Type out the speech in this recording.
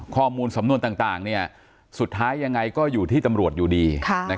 ข้อมูลสำนวนต่างสุดท้ายยังไงก็อยู่ที่ตำรวจอยู่ดี